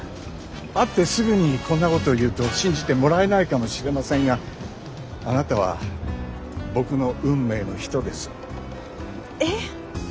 会ってすぐにこんなこと言うと信じてもらえないかもしれませんがあなたは僕の運命の人です。えっ！？